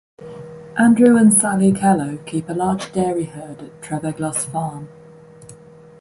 Andrew and Sally Kellow keep a large dairy herd at Treveglos Farm.